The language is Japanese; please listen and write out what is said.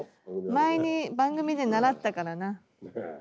前に番組で習ったからな。